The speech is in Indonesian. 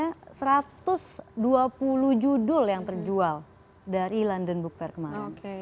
kalau kita lihat di dalamnya satu ratus dua puluh judul yang terjual dari london book fair kemarin